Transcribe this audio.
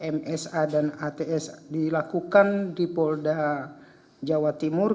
msa dan ats dilakukan di polda jawa timur